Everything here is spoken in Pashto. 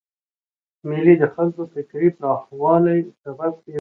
مېلې د خلکو د فکري پراخوالي سبب کېږي.